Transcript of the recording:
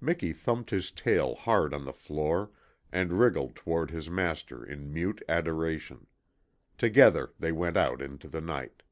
Miki thumped his hard tail on the floor and wriggled toward his master in mute adoration. Together they went out into the night.